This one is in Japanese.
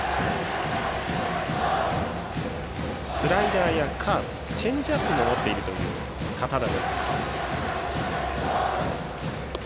スライダーやカーブチェンジアップも持っている堅田。